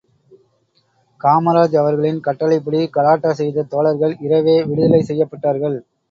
காமராஜ் அவர்களின் கட்டளைப்படி கலாட்டா செய்த தோழர்கள் இரவே விடுதலை செய்யப்பட்டார்கள்.